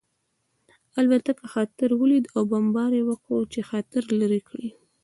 الوتکو خطر ولید او بمبار یې وکړ چې خطر لرې کړي